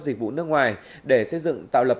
dịch vụ nước ngoài để xây dựng tạo lập